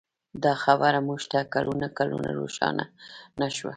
دا خبره موږ ته کلونه کلونه روښانه نه شوه.